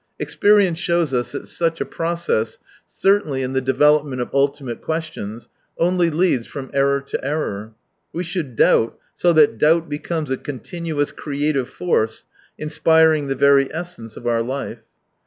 Experience shows us that such a process, certainly in the development of ultimate questions, only leads from error to error ; we should doubt so that doubt becomes a continuous creative force, inspiring the very essence of our life.